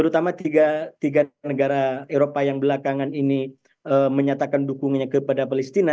terutama tiga negara eropa yang belakangan ini menyatakan dukungannya kepada palestina